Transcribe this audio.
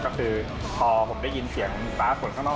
ก็คือพอผมได้ยินเสียงฟ้าฝนข้างนอก